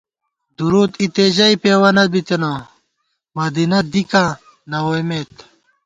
دُرود اِتے ژَئی پېوَنہ بِتنہ ، مدینہ دِکاں نہ ووئیمېت